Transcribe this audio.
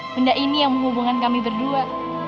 benda ini yang menghubungkan kami berdua